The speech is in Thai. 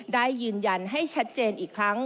ได้ยืนยันให้ชัดเจนอีกครั้ง